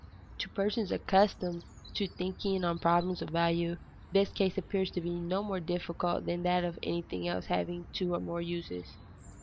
To persons accustomed to thinking on problems of value, this case appears to be no more difficult than that of anything else having two or more uses.